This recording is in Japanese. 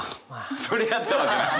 「それやったわ」じゃない。